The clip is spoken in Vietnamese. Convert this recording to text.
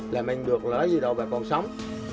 làm anh được là gì đâu bà con sống